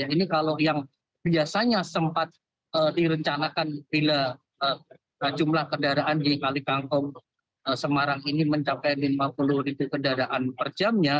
ini kalau yang biasanya sempat direncanakan bila jumlah kendaraan di kalikangkung semarang ini mencapai lima puluh ribu kendaraan per jamnya